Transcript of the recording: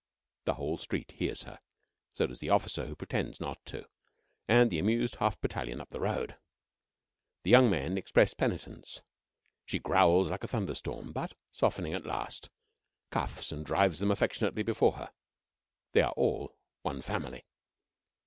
The whole street hears her; so does the officer, who pretends not to, and the amused half battalion up the road. The young men express penitence; she growls like a thunderstorm, but, softening at last, cuffs and drives them affectionately before her. They are all one family.